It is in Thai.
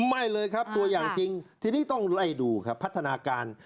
ไม่เลยครับตัวอย่างจริงทีนี้ต้องไล่ดูครับพัฒนาการ